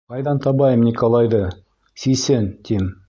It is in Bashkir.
— Ҡайҙан табайым Николайҙы, сисен, тим.